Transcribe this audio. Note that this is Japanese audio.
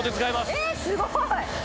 えっすごい！